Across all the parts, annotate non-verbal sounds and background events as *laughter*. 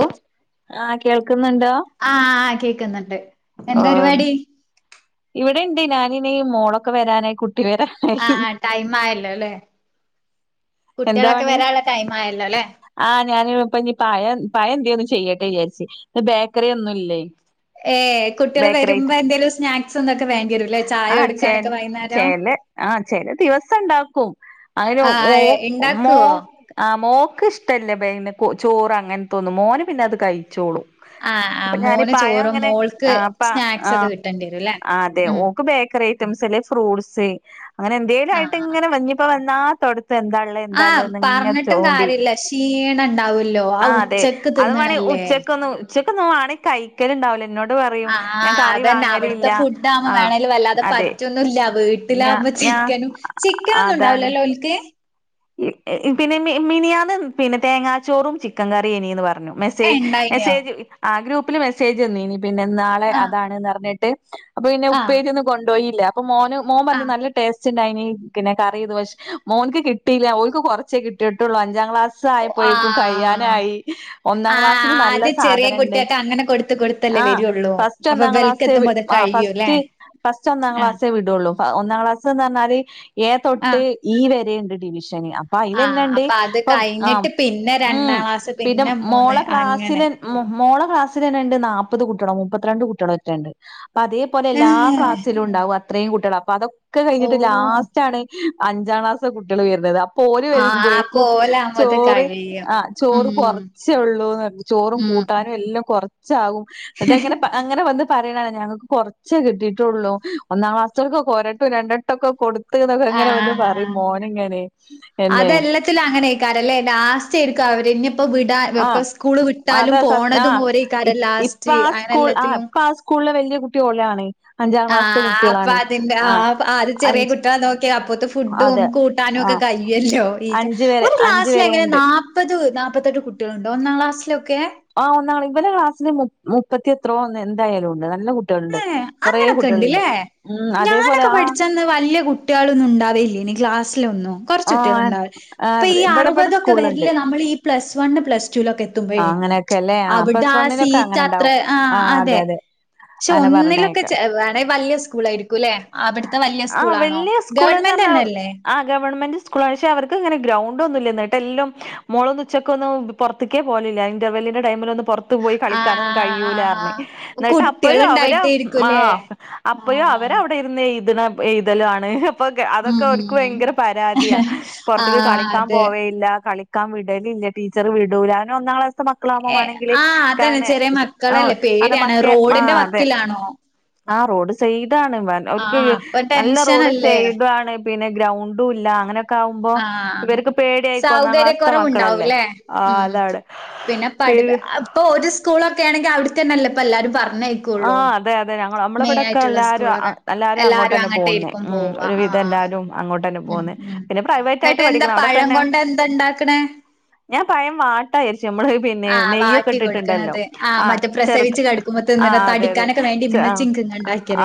ഓ ആഹ് കേൾക്ക്ന്ന്ണ്ടോ? ആഹ് കേക്ക്ന്ന്ണ്ട് ആഹ് ഇവിടെ ഇണ്ട് ഞാനി ഇനി മോളൊക്കെ വരാനായി കുട്ടി വരാ ആഹ് ടൈം ആയല്ലോലെ എന്താ കുട്ടിയെളൊക്കെ പണി വരാൻള്ള ടൈം ആയല്ലോലെ? ആഹ് ഞാനി ഇപ്പ ഇഞ് പഴം പഴ എന്തേലും ചെയ്യട്ടെ വിചാരിച്ച് ബേക്കറി ഒന്നുല്ലേയ് ഏ കുട്ടിയെള് വരുമ്പോ എന്തേലും സ്നാക്സ് ഇന്തൊക്കെ വേണ്ടിയെരൂല്ലേ ചായ ആഹ് ചെല കൊടുക്കാനൊക്കെ വൈന്നാരം. ചെല ആഹ് ചെല ദിവസം ഇണ്ടാക്കും അങ്ങനെ ആ ഓ മോ ഇണ്ടാക്കുവോ ആഹ് മോക്ക് ഇഷ്ടല്ല ബേങ്ങനെ ചോറ് അങ്ങത്തോന്നും മോന് പിന്നെ അത് കഴിച്ചോളും ആ ആ അപ്പൊ ഞാനീ മോന് പഴം ചോറും ഇങ്ങനെ മോൾക്ക് ആഹ് അപ്പ സ്നാക്സ് ഒക്കെ ആഹ് കിട്ടേണ്ടി വരും അല്ലേ അതെ ഉം ഓക്ക് ബേക്കറി ഐറ്റംസ്ല് ഫ്രൂട്ട്സ് അങ്ങനെ എന്തേലും ആ ആയിറ്റ് ഇങ്ങനെ ഇഞ്പ്പോ വന്നാ തൊടത്തും എന്താ ഇള്ളെ ആ ആ എന്ത ഇള്ളത് ഇങ്ങനെ പറഞ്ഞിട്ടും ച്ചോണ്ടി കാര്യമില്ല ക്ഷീണം ഉണ്ടാവൂല്ലോ ആ ആഹ് അതെ ഉച്ചക്ക് അത് വാണങ്കി തിന്നണല്ലേ ഉച്ചക്കൊന്ന് ഉച്ചക്കൊന്നും വാണങ്കി കൈക്കല്ണ്ടവൂല ഇന്നോട് ആഹ് അതന്നെ അവ്ട്ത്തെ ഫുഡ് ആവുമ്പ ആഹ് വേണല് വല്ലാതെ അതെ പറ്റു ഒന്നുല്ല വീട്ട ഞ ട്ടിലാവുമ്പ ഞാ ചിക്കനും ചിക്കനൊന്നും അതാണ് ഇണ്ടാവുലല്ലോ ഓൽക്ക് പിന്നെ മിനി മിനിയാന്ന് പിന്നെ തേങ്ങാച്ചോറും ചിക്കൻ കറി എയിനീന്ന് പറഞ്ഞു മെസ് ഏഹ് സ്സേജ് ഇണ്ടായിനിയോ മെസ്സേജ് ആ ഗ്രൂപ്പില് മെസ്സേജ് വന്നീനി പിന്നെ നാളെ ആഹ് അതാണ്ന്ന് പറഞ്ഞിട്ട് അപ്പ പിന്നെ ആഹ് ഉപ്പേരിയൊന്നും കൊണ്ടൊയില്ല അപ്പൊ മോന് മോൻ പറഞ്ഞു ആഹ് നല്ല ടെ ടേസ്റ്റ് ഇണ്ടായിനി പിന്നെ കറീത് പക്ഷേ മോൻക്ക് കിട്ടിയില്ല ഒൽക്ക് കൊറച്ചേ കിട്ടിയ്ട്ടൊള്ളു അഞ്ചാം ക്ലാസ്സ്‌ സ്സായപോയേക്കും ആഹ് ആഹ് കയ്യനയി ഒന്നാം ക്ലാസ്സിന് നല്ല ആദ്യം ചെറിയ സാധനണ്ട് കുട്ടിയക്ക് അങ്ങനെ കൊടുത്ത് കൊടുത്തല്ലേ ആഹ് വരുള്ളൂ ഫസ്റ്റ് അപ്പൊ ഒന്നാ ഇബൽക്ക് ക്ലാസെ വി എത്തുമ്പോ അത് ആ കഴിയൂല്ലേ ഫസ്റ്റ് ഫസ്റ്റ് ഒന്നാം ആഹ് ക്ലാസ്സേ വിടൊള്ളൂ ഒന്നാം ക്ലാസ് എന്ന് പറഞ്ഞാല് ഏ തൊട്ട് ആഹ് ഈ വരെ ഇണ്ട് ഡിവിഷന് അപ്പ് അയിലെന്നെ ആഹ് ഇണ്ട് അപ്പൊ അത് അപ്പ ആഹ് കഴിഞ്ഞിട്ട് പിന്നെ ഉം രണ്ടാം ക്ലാസ് പിന്നെ മൂന്ന് മോളെ അങ്ങനെ ക്ലാസ്സില് മോ മോളെ ക്ലാസിൽ തന്നെണ്ട് നാപ്പത് കുട്ടികളോ മുപ്പത്രണ്ട് കുട്ടികളോ റ്റെണ്ട് അപ്പ അതേ അതേപോലെ എല്ലാ ഏഹ് ക്ലാസ്സിലും ഇണ്ടാവും അത്രേം കുട്ടികൾ അപ്പ അതൊക്കെ കഴിഞ്ഞിട്ട് ഓഹ് ലാസ്റ്റ് സ്റ്റാണ് അഞ്ചാം ക്ലാസ്ത്തെ കുട്ടിയാള് വരുന്നത് അപ്പൊ ഓര് വരുമ്പോഴേക്കും മ്പോത്ത് കഴി ആ ചോറ് കൊറച്ചേ ഒള്ളൂന്ന് ചോറും ഉം കൂട്ടാനും ഉം എല്ലാം കൊറച്ചാകും എന്ന്ട്ടങ്ങനെ അങ്ങനെ വന്ന് പറയ്ണാണ ഞങ്ങൾക്ക് കൊർച്ചേ കിട്ടിട്ടൊള്ളൂ ഒന്നാം ക്ലാസ്സ്തോൽക്കൊക്ക ഒരൊട്ടം രണ്ടട്ടം ഒക്കെ കൊട് ത്ത് നൊക്കെങ്ങനെ വന്ന് പറയും മോന് ഇങ്ങനെയ് അതെല്ലെത്തിലും അങ്ങനെ ആയ്ക്കാരല്ലേ ലാസ്റ്റ് ഏയിരിക്കും അവര് ഇഞ് പ്പൊ വിടാ ആഹ് ഇപ്പ സ്കൂള് വിട്ടാലും അതെ സത്യ ആ പോണതും ഓരെയ്കാരം ലാസ്റ്റ് അങ്ങനെ എല്ലത്തിലും സ്കൂളില് വെല്യേ കുട്ടി ഓലാണ്. ആഹ് അപ്പ അതിന്റെ ആഹ് ആദ്യം ചെറിയെ അഞ്ച് കുട്ടിയാളെ നോക്കി അപ്പത്തെ ഫുഡും അതെ കൂ കൂട്ടാനു ആ ഒക്കെ കയ്യുവല്ലോ ഈ അഞ്ച് വരെ ഒരു അഞ്ച് ക്ലാസ്സിലെങ്ങനെ വരെയുണ്ട് നാ പ്പത് നാപ്പത്തെട്ട് കുട്ടികള്ണ്ടോ ഒന്നാം ക്ലാസ്സിലൊക്കെ? ആ ഒന്നാള് ഇവലെ ക്ലാസ്സില് മുപ് മുപ്പത്തി എത്രോ ഒ എന്തായാലുണ്ട് നല്ല കു ട്ടൊണ്ട് ഏഹ് കൊറേ അങ്ങനൊക്കെ കുട്ടികള്ണ്ട് ഉം അതേപോലെ ആ ന്ന് വല്യ കുട്ട് ട്ട്യോള്ന്നും ഉണ്ടാവേല്ല്യ ഇനി ക്ലാസിലൊന്നു കൊറച്ചുട്ട്യോളുണ്ടാവും ആ ഇപ്പൊ ഈ ഇവിടെ ഇവിടെ അറുപതൊക്കെ സ്കൂളുണ്ട് വരില്ലേ നമ്മളീ പ്ലസ് വണ്ണ് പ്ലസ്ടുലൊക്കെ ആ എത്തുമ്പോഴേ നീ അങ്ങനെയൊക്കെ *unintelligible* അല്ലേ ആ അവിടാ പ്ലസ് വണ്ണിലൊക്കെ അങ്ങനെ സീറ്റത്രേ ഉണ്ടാവും ആ അതെ ക്ഷെ അങ്ങനെ ഒന്നിലൊക്കെ പറഞ്ഞേക്ക ചെ വേണെ വലിയ സ്കൂളായിരിക്കുല്ലെ അവിടുത്തെ വല്യ ആഹ് സ്കൂളാണോ ഗവൺമെന്റന്നെല്ലേ വൺമെന്റ് സ്കൂൾ *unintelligible* അവർക്ക് ഇങ്ങനെ ഗ്രൗണ്ട് ഒന്നും *unintelligible* എല്ല്യോം മോളൊന്നുച്ചക്കൊന്നും പ് പൊറത്ത്ക്കേ പോണില്ല ഇന്റർവെല്ലിന്റെ ടൈമിൽ ഒന്ന് പൊറ് ത്ത് പോയി കളിക്കാനൊന്നും ആഹ് ആഹ് കഴ്യൂലർന്ന് ആഹ് ന്നിട്ട് അപ്പയു കുട്ട്യാള് അവര മ് ആ ഇണ്ടായിട്ടായിരിക്കുംല്ലേ അപ്പയു അവര ആഹ് ഔട്ട് *unintelligible* എയ്തണ അപ്പൊ എയ്തലാണ് അപ്പൊക്കെ അതൊക്കെ ഓരുക്ക് ഉം ഭയങ്കര ആതിയാ പൊറത്ത്ക്ക് ആഹ് കളിക്കാൻ അതെ പോവേയില്ല കളിക്കാൻ വിടലില്ല ടീച്ചറ് വിടൂല അവനൊന്നാം ക്ലാസ് ക മക്കളാവുമ്പോ ഏഹ് വേണെങ്കില് ആഹ് അതന്നെ ക്കാണെ ചെറിയ സു ആ മക്കളല്ലേ *unintelligible* പേടിയാണ്. മക്കെ ആ റോഡിന്റെ അതെ വക്കിലാണോ? ആ റോഡ് സൈഡാണ് *unintelligible* ഓര്ക്ക് ആഹ് അപ്പൊ നല്ല റോഡ് ടെൻഷനല്ലേ? സൈഡാണ് പിന്നെ ഗ്രൗണ്ടുല്ല അങ്ങനെ ക്കാവുമ്പോ ആഹ് ഇവർക്ക് പേടിയായിക്കോന്നാക്ലാസ്ത്ത മക്കളല്ലേ സൗകര്യക്കൊറവുണ്ടാവൂല്ലേ? ആ ഉം അതാണ് പിന്നെ പഠിപ്പ് പേര് ആ ഇപ്പൊ ഒരു സ്കൂളൊക്കെണെങ്കിൽ അവിടെത്തന്നേല്ലേ ഇപ്പ എല്ലാരും ആ പറഞ്ഞയക്കൂള്ളൂ അതെ അതെ ഞങ്ങള നമ്മളിവിടൊക്കെ എല്ലാരും അ അം എല്ലാരും അങ്ങോട്ടന്നെ പോകുന്നേ അങ്ങട്ടേരിക്കും ഉം പോവാ. ആഹ് ഒരുവിധം ആഹ് എല്ലാരും അങ്ങോട്ട്ന്നെ ഉം പോവ്ന്നെ ഉം പിന്നെ പ്രൈവറ്റ് ആയിട്ട് എന്നിട്ട് എന്താ പഠിക്കണം പഴം അവിടൊക്കെന്നെ കൊണ്ട് എന്താ ഇണ്ടാക്കണേ? ഞാൻ പയം വാട്ടായേര്ച്ചു നമ്മള് പിന്നെ ആഹ് നെയ്യൊക്കെ വാട്ടി ഇട്ടിട്ടുണ്ടല്ലോ കൊടുക്കണത്. ആഹ് ആ മറ്റേ ചെറുത് പ്രസവിച്ച് കെടക്കുമ്പോ ആ തിന്നണ അതെ അതെ തടിക്കാനൊക്കെ വേണ്ടി ചെ ആ ഇമ്മച്ചി ഇൻക്ക്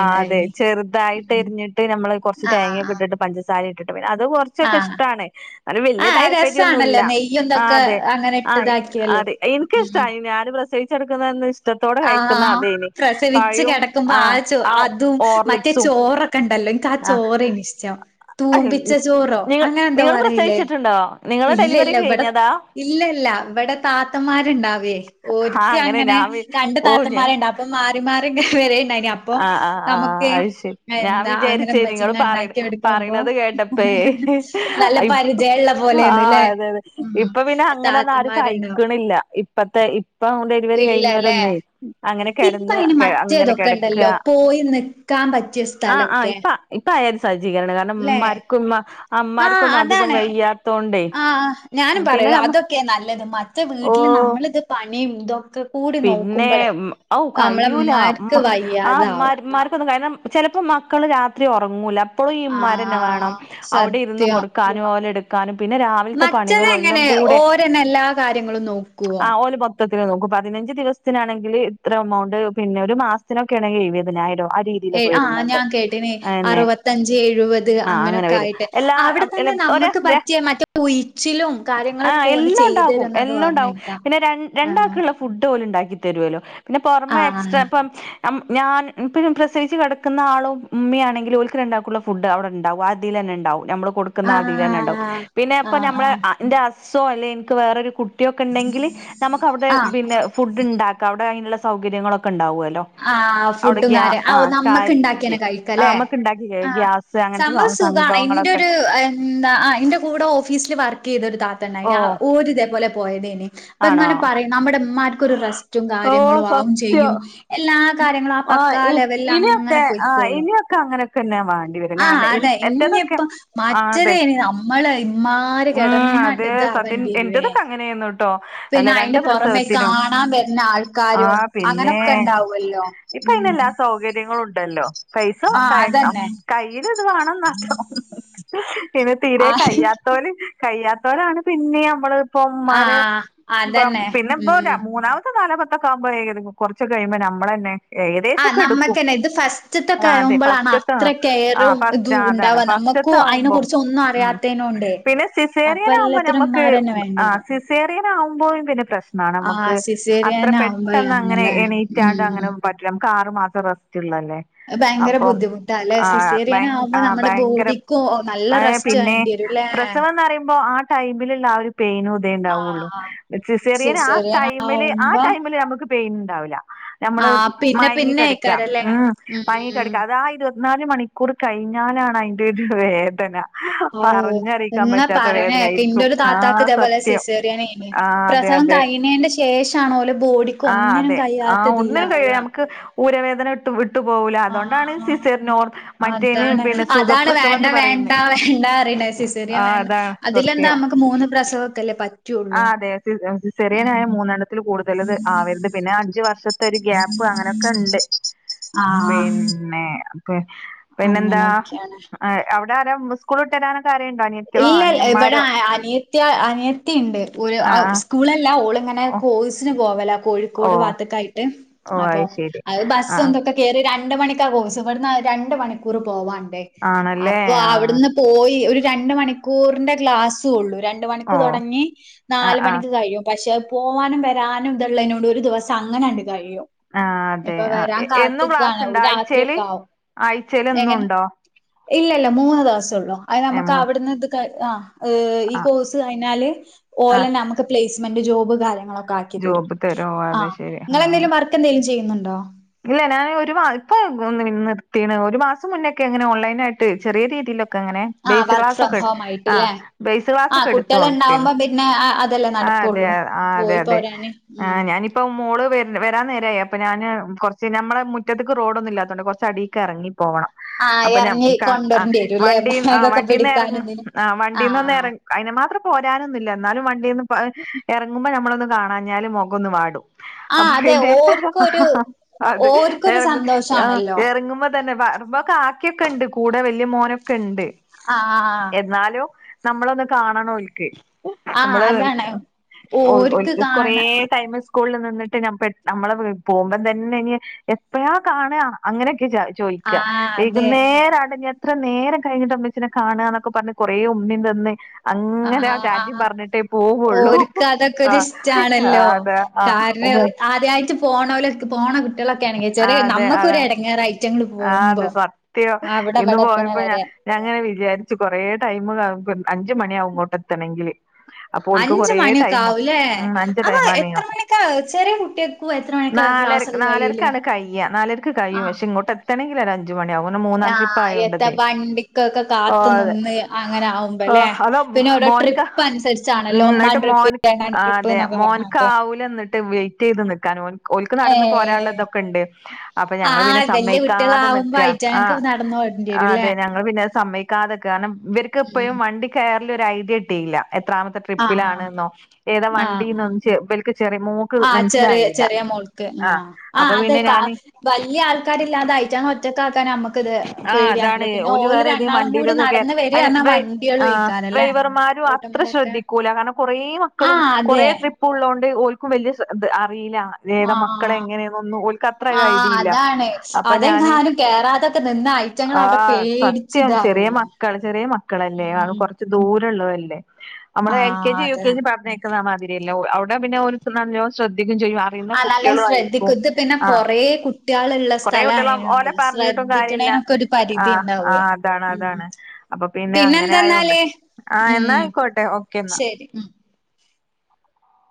ആ അതെ ചെറുതായിട്ട് ഉം എരിഞ്ഞിട്ട് ട്ട് ഞമ്മള് കുറച്ച് ആഹ് തേങ്ങയൊക്കെ ആഹ് ഇട്ടിട്ട് പഞ്ചസാര ഇട്ടിട്ട് പിന്ന അത് കുറ ച്ചൊക്കെ ആഹ് ഇഷ്ടാണ് അവന് വല്യ ആഹ് അത് താല്പര്യൊന്നുല്ല രസാണല്ലോ നെയ്യും ആ ഇതൊക്കെ അതെ അങ്ങനെ ആ ഇട്ട് ഇ ഇതാക്കിയാല് അതെ ഉം എനിക്കിഷ്ടായി ഞാന് പ്രസവിച്ച്കെടക്കുന്ന അന്ന് ഇഷ്ടത്തോടെ കഴി ആ പ്രസവിച്ചു കെടക്കുമ്പോ ആ ആഹ് ചോ ആഹ് അതും മറ്റേ ഓർലിക്സും ചോറൊക്കെണ്ടല്ലോ എനി ക്കാ ചോറെനിഷ്ടം ആഹ് തൂമ്പിച്ച ചോറോ അങ്ങനെ എന്താ പറയിലേ ണ്ടോ നെ ഇല്ല ഇല്ല ഇവിടെ ഇല്ല ഇല്ല ഇവിടെ താത്തന്മാരുണ്ടാവേ ആഹ് ഓരിക്ക് അങ്ങനെ ഞാൻ വി രണ്ട് ഓ ഞാൻ താത്തന്മാരെണ്ട അപ്പൊ മാറി മാറി ഇങ്ങ് വരെ *unintelligible* അപ്പൊ ആഹ് ആഹ് ആഹ് നമുക്ക് അത് ശരി അ ഞാൻ എന്താ വിചാരിച്ചേ നിങ്ങള് അങ്ങനെമ്മചിങ്ങ പറയണ എണ്ടാക്കി എടുക്കുമ്പോ പറയണത് കേട്ടപ്പഴേ നല്ല പരിജയള്ളപോ ആ അതെ അതെ ഇപ്പൊ പിന്നെ അങ്ങനൊന്നും ആരും താത്തന്മാരുണ്ടാവും സഹിക്കണില്ല ഇപ്പത്തെ ഇപ് പ്പോ ഡെലിവറി ഇല്ലല്ലേ കഴിഞ്ഞോരൊന്നേ അങ്ങനെ ഇപ്പ കിടന്ന് അയിന് കെ അങ്ങനെ മറ്റേതൊക്കെ കെട ഉണ്ടല്ലോ ക്കാ പോയി നിക്കാൻ പറ്റിയ ആ ആ സ്ഥലൊക്കെ ഇപ്പ ഇപ്പ ആയാത് സജ്ജീകരാണ് കാരണം ല്ലേ മരത് കുമ്മ ആ അതാണ് ആ ആ ഞാനും പിന്നെ പറയൂ നമ്മ അതൊക്കെ നല്ലത് മ ത് വീട്ടില് ഓഹ് നമ്മളിത് പണിയും ഇതോ പിന്നെ മ് ഔ കഴിയൂല മ്മ നമ്മളമ്മാർക്ക് ആ വയ്യാതാവും. *unintelligible* മാർക്കൊന്നും കാരണം ചിലപ്പോ മക്കള് രാത്രി ഒറങ്ങൂല അപ്പോഴും ഈ ആ ഉമ്മാരന്നെ വേണം അവിടെ ഇരുന്ന് സത്യം. കൊടു ക്കാനു ഓല എടുക്ക് ക്കാനും പിന്നെ രാവിൽത്തെ പണികളു എല്ലാം മറ്റതെങ്ങനെ കൂടെ ഓരന്നെ എല്ലാ കാര്യങ്ങളും നോക്കുവോ? ആ ഓലുപൊ *unintelligible* പതിനഞ്ച് ദിവസത്തിനാണെങ്കില് ഇത്ര എമൗണ്ട് പിന്നെ ഒരു മാസത്തിനൊക്കേണെങ്കി എഴുപതിനായിരോ ആ രീതി തിലാ ഏ ആ പോയിരുന്നത് ഞാൻ കേട്ടിന് അയെന്നെ അറുപത്തഞ്ച് എഴുപത് ആ അങ്ങനെ അങ്ങനൊക്കെ വരും ആയിട്ട് എല്ലാ അവിടെ തന്നെ നമ്മക്ക് *unintelligible* പറ്റിയ മറ്റേ ഉഴിച്ചിലും ആ കാര്യങ്ങളൊക്കെ ഓല് എല്ലാം ഒണ്ടാകും ചെയ്തരുംന്നൊക്കെ എല്ലാം ഒണ്ടാകും പറഞ്ഞേക്കാ. പിന്നെ രൺ ആ രണ്ടാക്ക്ള്ള ഫു ഡോലുണ്ടാക്കി തരുവല്ലോ പിന്നെ ആ പൊറമെ എക്സ്ട്രാ ഇപ്പം അം ഞാൻ ഇപ്പഴും പ്രസവിച്ച് കിടക്കുന്ന ആളോ ഉമ്മിയാണെങ്കിലും ഓല്ക്ക് രണ്ടാക്കുള്ള ഫുഡ് അവിടെണ്ടാവും അത് തില്ന്നെ ഇണ്ടാവും നമ്മള് കൊടുക്കുന്ന ആ ആ അതിലന്നെ ഉണ്ടാവും പിന്നെ ആ ഇപ്പ ആ നമ്മള് അ ന്റെ അസോ അല്ലെൻക്ക് വേറൊരു കുട്ടിയൊക്കെ ഇണ്ടെങ്കില് നമുക്ക് അവിടെ ആ പിന്നെ ഫുഡ് ണ്ടാക്കാ അവിടെ അതിനുള്ള സൗകര്യങ്ങളൊക്കെണ്ടാവോല്ലോ ആഹ് ഫുഡും കാര്യം ഔ നമ്മക്ക് ഇണ്ടാക്കിയന്നെ ആഹ് കഴിക്കല്ലേ നമ്മക്ക് ഉണ്ടാക്കി ആഹ് ഗ്യാസ് അങ്ങനത്തെ സംഭവ സുഖമാണ് സംഭവങ്ങളൊക്കെ ഇന്റൊരു ഉം ന്താ അഹ് ന്റെ കൂടെ ഓഫീസില് വർക്ക് ചെയ്ത ഒരു ഓ താത്തണ്ടായിനി ഓര് ഇതേ പോലെ പോയതെയ്നി പ്പെ ആണോ ങ്ങനെ പറയും നമ്മുടെമ്മാര്ക്കൊരു റെസ്റ്റും ഓ കാര്യങ്ങളും ആവും ചെയ്യും സത്യം എല്ലാ കാര്യങ്ങളും ആ പക്കാ ലെവൽല് അങ്ങനെ പൊയ്ക്കോളും പ്പൊക്കെ അങ്ങനെക്കെന്നെ വാ ആഹ് അതെ ഇഞ്ഞിപ്പം ആഹ് അതെ മറ്റര് അമ്മള് ഇമ്മ ഉം അതെ സത്യൻ എന്റതൊക്കെ അങ്ങനെയ്ന്നൂട്ടോ പിന്നെ അല്ല രണ്ട് അയിന്റെ പൊറമെ പ്രസവത്തിനും കാണാൻ വരുന്ന ആൾക്കാരും ആഹ് പിന്നേ അങ്ങനൊക്കെ ഇണ്ടാവല്ലോ ഇപ്പ ഉം അയ്ന് എല്ലാ സൗകര്യങ്ങളും ഉണ്ടല്ലോ പൈസ ക ആഹ് അതന്നെ കയ്യില് ഇത് വാണംന്നാത്രം പിന്നെ ആ തീരെ കയ്യാത്ത ത്തോല് കഴ്യാത്തോലാണ് പിന്നിയമ്മള് ആ ഇപ്പമ്മാര് പം അതന്നെ പിന്നെ ഇപ്പൊക്കെ ഉം മൂന്നാമത്തെ നാലമത്തൊക്കാവുമ്പോ ഏഹ് ക കൊറച്ചൊക്കെ കഴിയുമ്പോ നമ്മളെന്നെ ആഹ് നമ്മക്കെന്നെ ഇത് ഫസ്റ്റത്തൊക്കെ ആ അതെ ആവുമ്പോളാണ് ഫസ്റ്റ്ത്തെ അത്ര ആ കെയറും ഇതു ഫസ്റ്റ് ആ അതാണ് ഉണ്ടാവാ നമ്മക്ക് ക്കു ഫസ്റ്റ്ത്തെ അയിനെ ആവുമ്പം കുറിച്ചൊന്നും ഉം അറിയാത്തേനോണ്ടേയ് പിന്നെ സിസേറ്യനാവുമ്പൊ ഞമ്മക്ക് ആഹ് വേണ്ടിവരും സിസേറിയനാവുമ്പോഴും പിന്ന പ്രശ് നാണ് ആ അമ്മക്ക് അത്ര സിസേറിയൻ പെട്ടെന്ന് അങ്ങനെ ആവുമ്പഴാണല്ലേ എണീറ്റാണ്ട് ഉം അങ്ങനെ പ റ്റ്ല ഞമ്മക്ക് ആറ് മാസം റസ്റ്റ്ള്ളല്ലെ അത് ഭയങ്കര അപ്പൊ ബുദ്ധിമുട്ടാല്ലേ ആഹ് സിസേറിയൻ ഭയങ്കര ആവുമ്പോ ആഹ് നമ്മുടെ ഭയങ്കരം ബോഡിക്കും നല്ല ആഹ് റെസ്റ്റ് പിന്നേ വേണ്ടിവരുംല്ലേ പ്രസവംന്നറയുമ്പൊ ആഹ് ടൈമില്ള്ള ആഹ് ഒര് പെയ്നും തേ ആ ണ്ടാവൊള്ളു സിസേറിയന് ആ സിസേറിയൻ ടൈമില് ആ ആവുമ്പോ ടൈമില് ഞമ്മക്ക് പെയിന് ഇണ്ടാവുല ഞമ്മള് ആ പിന്നെ മഴങ്ങി പിന്നെ കെട്ക്ക ആയിക്കാരല്ലേ ഉം മഴങ്ങി ഉം കെട്ക്ക അതാ ആഹ് ഇരുവ ത്ത്നാല് മണിക്കൂറ് കഴ്ഞ്ഞാലാണ് അയിന്റൊരു വേദന ആഹ് പറഞ്ഞറീക്കാം ഇങ്ങ പറ്റാത്ത പറയണ വേദന കേക്ക ഇന്റെ ആയിരിക്കും. ഒരു താത്താക്ക് ആഹ് ഇതേപോലെ സത്യം സിസേറിയനേനി ആഹ് അതെ പ്രസവം അതെ കഴിഞ്ഞേന്റെ ശേഷാണ് ഓലെ ബോഡിക്ക് ആഹ് ഒന്നിനും അതെ. ആഹ് ഒന്നിനും കഴിയാത്തതിലാവ കയ്യൂല നമ്ക്ക് ഊരവേദന വി വിട്ട് പോവൂല അതോണ്ടാണ് ആഹ് സിസേർന് നോർമൽ മറ്റേന് അതാണ് പിന്നെ സുഖപ്രസവംന്ന് പറയുന്നെ സിസേറിയം വേണ്ട അതിലെന്താ അമ്മ്ക്ക് മൂന്ന് പ്രസവൊക്കല്ലെ പറ്റ ആഹ് അതെ സിസ് സിസേറിയനായ മൂന്നെണ്ണത്തില് കൂടുതല് ആവരുത് പിന്ന അഞ്ച് വർഷത്തെ ഒര് ഗ്യാ പ്പൊ അങ്ങനൊക്കെണ്ട് *inaudible* പിന്നെ പി പിന്നെന്താ അങ്ങനൊക്കെയാണ് ഏഹ് അവ്ടാര സ്കൂൾ വിട്ടെരാനൊക്കാരെണ്ടോ അനിയ ഇല്ല ൽ ഏഹ് ഇവടെ അനിയ ത്തി അനിയത്തിണ്ട് ആ ഒരാ ആ സ്കൂളല്ല ഓളിങ്ങനെ ഓ കോഴ്സിന് പോവല ഓ കോഴിക്കോട് ബാ ത്ത്ക്കായിട്ട് ഓ അപ്പൊ അത് ശരി അയ് ആ ബസ്സുന്തെക്കെ കേറി രണ്ട് മണിക്ക കോസ് ഇവിട്ന്ന് രണ്ട് മണിക്കൂർ പോവാണ്ട് ആണല്ലേ അപ്പോ ആ അവിടുന്ന് പോയി ഒര് രണ്ട് മണിക്കൂറിന്റെ ക്ലാസ് ത്ത് ഒള്ളൂ രണ്ട് മണിക്ക് ഓ തൊടങ്ങി ആ നാല് ആ മണിക്ക് കയ്യും പഷെ അഹ് പോവാനും വരാനും ഇത്ള്ളേനോണ്ട് ഒര് ദിവസം അങ്ങനണ്ട് കഴിയും ആ അതെ ഞ്പ്പൊ ആ വരാൻ എന്നും ക്ലാസ് കാത്ത്ക്കാണ് അവ് ഉണ്ടോ രാത്രി ആഴ്ചയില് ഒക്കാവും ആഴ്ചയിൽ എന്നും എങ്ങനെ ഉണ്ടോ ഇല്ലല്ല മൂന്ന് ദിവസൊള്ളു അയ് ഏ നമ്മക്ക് മൂ ന്ന്ത് ക ആഹ് ഏഹ് ഈ ആ കോഴ്സ് കയിഞാല് ആ ഓലന്നെ ഞമക്ക് പ്ലെയ്സ് മെന്റ് ജോബ് കാര്യങ്ങളൊക്കെ ആക്കി തരും. ജോബ് തരോ അത് ആഹ് ശരി ആ ഇങ്ങളെന്തേലും വർക്കെന്തേലും ചെയ്യുന്നുണ്ടൊ ഇല്ല ഞാൻ ഒര് മാ ഇപ്പൊ ഒന്നി നിർത്തീന് ഒരു മാസം മുന്നൊക്കെ ഇങ്ങനെ ഓൺലൈനായിട്ട് ചെറിയ രീതിയിലൊക്കെ ഇങ്ങനെ ആഹ് ബെയ്സ് വർക്ക് ഫ്രം ക്ലാസ്സൊക്കെ ഇട് ഹോം ആഹ് ആയിട്ട്ല്ലേ ബെയ്സ് ക്ലാസ് ആഹ് ഒക്കെ എട്ത്തു കുട്ടികൾ കൊട്ത്തീനു ഉണ്ടാവുമ്പോ പിന്നെ അ അതല്ലേ ആഹ് അതെ നടക്കുള്ളൂ അ ആഹ് അതെ പോയി അതെ പോരാന് ഉം ആഹ് ഞാനിപ്പ മോള് വര് വരാന്നേരായി അപ്പ ഞാന് കൊറ്ച്ച് ഞമ്മളെ മുറ്റത്ത്ക്ക് റോഡൊന്നില്ലാത്തോണ്ട് കൊറ്ച്ച് അടീക്ക് എറങ്ങി പോവണം ആഹ് അപ്പൊ ഞമ് ഇറങ്ങി ക്ക ആഹ് കൊണ്ടുവരേണ്ടി വരുംല്ലേ വണ്ടീ ആഹ് ബാഗൊക്കെ വണ്ടീന്ന് എർങ് പിടിക്കാനും ഇതിനും ആഹ് വണ്ടുന്നൊന്ന് എർ അയിന് മാത്രം പോരാനൊന്നുല്ല എന്നാലും വണ്ടീന്ന് പ എറങ്ങുമ്പൊ ഞമ്മളൊന്ന് കാണാഞ്ഞാല് മൊഖൊന്ന് വാടും ആഹ് അപ്പൊ അതെ പിന്നെ ഓര്ക്കൊരു അതെ ഓര്ക്കൊരു എർങു എർ ആഹ് സന്തോഷാണല്ലോ എറങ്ങുമ്പ തന്നെ വ കാക്കണ്ട് കൂടെ വല്യ മോനക്കണ്ട് ആഹ് എന്നാലും നമ്മളൊന്ന് കാണണോൽക്ക് ആഹ് നമ്മള് അതാണ് ഓര്ക്ക് ഓൽക് കൊറേ കാണ ടൈമ് സ്കൂൾൽ നിന്ന്ട്ട് ഞ പെ ഞമ്മളെ വി പോവുമ്പെന്തേ ഇഞി എപ്പഴാ കാണ അങ്ങനൊക്കെ ചൊ ചോയിക്ക ആഹ് അതെ വൈകുന്നേരം ആവണ്ടെ എത്ര നേരം കഴിഞ്ഞ്ട്ട ഉമ്മച്ചിനെ കാണ ന്നൊക്കെ പറഞ്ഞ് കൊറേ ഉമ്മീ തന്ന് അങ്ങ്നാ ആഹ് റ്റാറ്റിംപറഞ്ഞ്ട്ടെ പോവൊള്ളു ഓര്ക്ക് ആഹ് അതെ ആഹ് കാര്ണം ഉമ്മ ആദ്യായ്ട്ട് പോണോലൊക്കെ പോണ കി കുട്ടീളൊക്കാണെങ്കി ചെറീ ആഹ് അതെ അതെ ഞമ്മക്കൊരെടങ്ങേറ ഐറ്റങ്ങള് ആഹ് പോകുമ്പൊ അതെ സത്യം അവടെ ഇന്ന് ഇവടെ എത്തണ പോയപ്പോ ഞാൻ വരെ ഞാൻ ഇങ്ങനെ വിജാരിച്ചു കൊറേ ടൈമ് കാണും അഞ്ച് മണിയാവും ഇങ്ങോട്ട് എത്തണെങ്കില് അപ്പൊ ഓൽക്ക് അഞ്ച് കൊറേ മണിയൊക്കെ ടൈമാ ആവുല്ലേ ഉം അഞ്ച് അപ ടൈം എത്ര ആണിയാ മണിക്ക ചെറീ കുട്ടീ കു എത്രമണിക്ക ക്ലാസ്സൊക്കെ കയ്യല് ക്കാണ് കയ്യ. നാലർക്ക് കയ്യും പക്ഷെ ഇങ്ങോട്ടെത്തണെങ്കി ഒരജ്ജ് അജ്ജ് മണിയാവും ഒന്ന് മൂന്ന ട്രിപ്പ് ആഹ് എത്ത ആയോണ്ടതെ വണ്ടിക്കൊക്കെ കാത്തു നിന്ന് അങ്ങനെ ആവുമ്പല്ലേ പിന്നെ ഓരോ മോൻക ട്രിപ്പ് അനുസരിച്ചാണല്ലോ ഇന്ന്ട്ട് ഒന്നാം മോൻ ട്രിപ്പ് രണ്ടാം ട്രിപ്പ് അതെ എന്നൊക്കെ പറഞ്ഞിട്ട് മോൻക്കാവൂല ഇന്ന്ട്ട് വെ ചെയ്ത് നിൽക്കാനുംഓൻ ഓൽക്ക് നടന്നു ഏഹ് പോരാള്ളതൊക്കെണ്ട് അപ്പ ഞങ്ങൾ പിന്നെ ആഹ് വല്യ സമ്മയിക്കാതെ കുട്ടികളാവുമ്പോ നിക്ക ആ അയിറ്റാങ്ങക്ക് നടന്ന് ഓടേണ്ടി ആ വരുംല്ലേ? അതെ ഞങ്ങൾ പിന്നെ സമ്മയ്ക്കാതെക്കെ കാരണം ഇവർക്ക് ഉം ഇപ്പഴും വണ്ടി കയറൽ ഒരു ഐഡിയ കട്ടിയില്ല എത്രാമത്തെ ആഹ് ട്രിപ്പിലാണ്ന്നോ ഏതാ വണ്ടിന്നൊ ചെ ബൽക്ക് ചെറിയ മൂ ആ ചെറിയ ചെറിയ മോൾക്ക് ആ ആ അപ്പൊ അതെ പിന്നെ കാ ഞാന് വല്ല്യ ആൾക്കാരില്ലാതെ അയിറ്റങ്ങ ആ അതാണേ പിന്നെ ഓല് വേറെ ഏതേം രണ്ടാളും കൂടി വണ്ടിയിലൊക്കെ കേ നടന്ന് വരാർഞ്ഞാ ആ വണ്ടികളുംയ്ക്കാരല്ലേ? ഡ്രൈവർമാരും അത്ര റോട്ട്മ്മലൊക്കെ ശ്രദ്ധിക്കൂല കാരണം കൊറേ മക്കളും ആഹ് അതെ കുറേ ട്രിപ്പ് പ്പുള്ളോണ്ട് ഓൽക്കും വല്ല്യ സെ അറീല ഏത ആഹ് മക്കളെങ്ങനെന്നൊന്നുംഓൽക്ക് അത്ര ഒരു ഐഡില്ല അപ്പൊ ഞാന് കേറാതക്ക നിന്നായി ആ സത്യം ചെറിയ മക്കൾ ചെറിയ മക്കളല്ലേ ആണ് ഉം കൊർ ദൂരള്ളത അല്ലേ നമ്മള് എൽ കെ ആഹ് ജി യു അതെ കെ ജി പറഞ്ഞ മാതിരിയല്ല അവിടെ പിന്നെ ഒരു നല്ലോ ശ്രദ്ധിക്കും ചെയ്യും ആ അറിയുന്ന ആ നല്ലോം കുട്ടികളും ആയിരിക്കും ശ്രദ്ധിക്കും ത് പിന്നെ കൊറേ കുട്ട്യേള് ഉള്ള കൊറേ സ്ഥലം കുട്ടികള് അങ്ങനെയണ്ട് ഓലെ പറഞ്ഞിട്ടും കാര്യല്ല ശ്രദ്ധിക്കണേനൊക്കെ ഒരു ആഹ് പരിധിണ്ടാവേ ആഹ് അതാണ് അതാണ് അപ്പൊ പിന്നെ അങ്ങനെ ആയോണ്ട് പിന്നെന്തെന്നാല് ആഹ് എന്നാ ഉം ആയിക്കോട്ടെ ഓക്കെ എന്നാ ശരി മ്